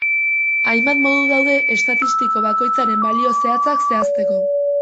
Hainbat modu daude estatistiko bakoitzaren balio zehatzak zehazteko.